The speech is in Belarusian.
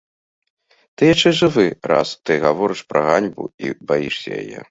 Ты яшчэ жывы, раз ты гаворыш пра ганьбу і баішся яе.